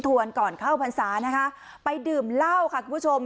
ทวนก่อนเข้าภัณฑ์ศาศ์นะคะไปดื่มล่าวค่ะคุณผู้ชม